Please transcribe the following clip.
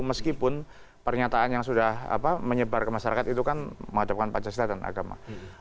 meskipun pernyataan yang sudah menyebar ke masyarakat itu kan menghadapkan pancasila dan agama